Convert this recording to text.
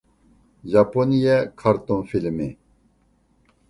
ياپونىيە كارتون فىلىمى